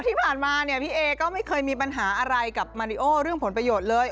ที่ผ่านมาเนี่ยพี่เอก็ไม่เคยมีปัญหาอะไรกับมาริโอเรื่องผลประโยชน์เลย